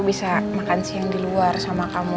bisa makan siang di luar sama kamu